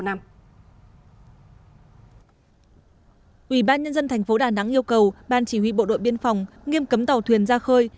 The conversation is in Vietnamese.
nguyên dân tp đà nẵng yêu cầu ban chỉ huy bộ đội biên phòng nghiêm cấm tàu thuyền ra khơi